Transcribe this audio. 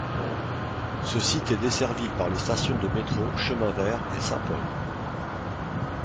Ce site est desservi par les stations de métro Chemin Vert et Saint-Paul.